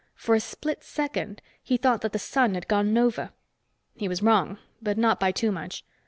For a split second, he thought that the sun had gone nova. He was wrong, but not by too much.